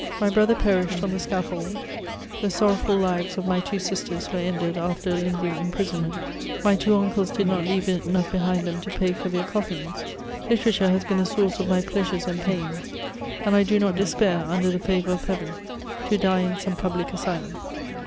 My brother perished on the scaffold; the sorrowful lives of my two sisters were ended after a lingering imprisonment ; my two uncles did not leave enough behind them to pay for their coffins ; literature has been the source of my pleasures and pains, and I do not despair, under the favour of Heaven, to die in some public asylum.